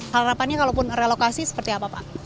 harapannya kalau pun relokasi seperti apa pak